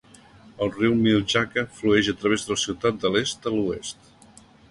El riu Miljacka flueix a través de la ciutat de l'est a l'oest.